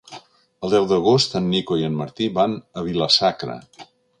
El deu d'agost en Nico i en Martí van a Vila-sacra.